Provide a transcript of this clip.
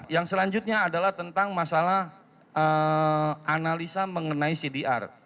yang selanjutnya adalah tentang masalah analisa mengenai cdr